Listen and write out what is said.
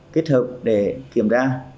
kết hợp để kiểm tra